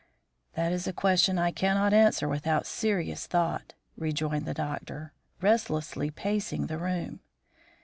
"That is a question I cannot answer without serious thought," rejoined the doctor, restlessly pacing the room.